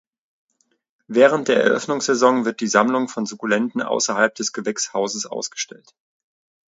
Während der Eröffnungssaison wird die Sammlung von Sukkulenten außerhalb des Gewächshauses ausgestellt.